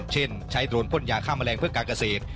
เช่นใช้โดรนพ่นยาฆ่าแมลงเพื่อการเกษตร